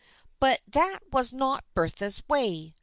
But that was not Bertha's way.